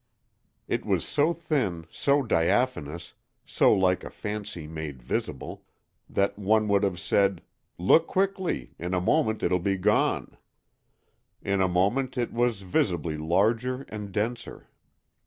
It was so thin, so diaphanous, so like a fancy made visible, that one would have said: "Look quickly! in a moment it will be gone." In a moment it was visibly larger and denser.